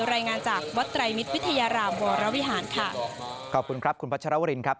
รายงานจากวะไตรมิตรวิทยารามวรวิหาร